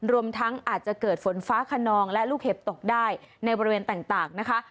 รวมทั้งอาจจะเกิดฝนฟ้าขนองและลูกเห็บตกได้ในบริเวณต่างนะคะ